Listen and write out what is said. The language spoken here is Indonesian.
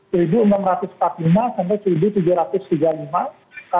tax loss di bawah seribu enam ratus dua puluh